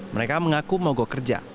mereka mengaku mau gokerja